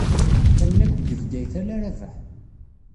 Qqimen akk deg Bgayet ala Rabaḥ.